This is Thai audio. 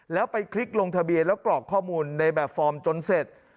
แล้วไปคลิกลงทะเบียนแล้วกรอกข้อมูลในแบบฟอร์มจนเสร็จ